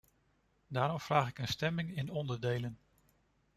Daarom vraag ik een stemming in onderdelen.